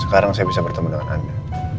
sekarang saya bisa bertemu dengan anda